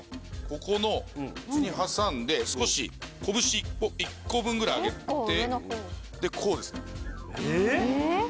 ここの内に挟んで少しこぶし１個分ぐらい上げてでこうですねえっ？